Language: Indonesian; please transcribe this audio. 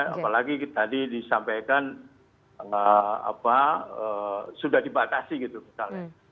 apalagi tadi disampaikan sudah dibatasi gitu misalnya